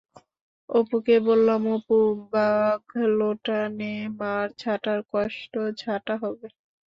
অপুকে বললাম-অপু বাগলোটা নে-মার ঝাঁটার কষ্ট, ঝাঁটা হবে।